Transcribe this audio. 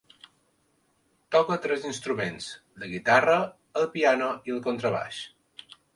Toca tres instruments: la guitarra, el piano i el contrabaix.